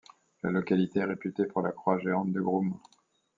La localité est réputée pour la croix géante de Groom.